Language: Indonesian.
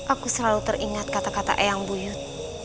aku selalu teringat kata kata eyang buyut